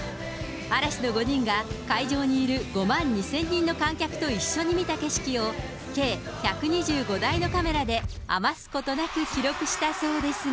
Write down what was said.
嵐の５人が会場にいる５万２０００人の観客と一緒に見た景色を計１２５台のカメラで余すことなく記録したそうですが。